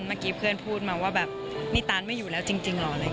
เมื่อกี้เพื่อนพูดมาว่าแบบนี่ตานไม่อยู่แล้วจริงหรอ